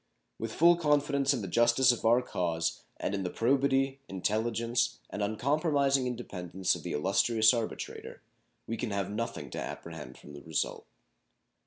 With full confidence in the justice of our cause and in the probity, intelligence, and uncompromising independence of the illustrious arbitrator, we can have nothing to apprehend from the result.